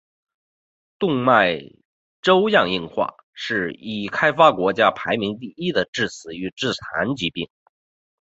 动脉粥样硬化是已开发国家排名第一的致死与致残疾病。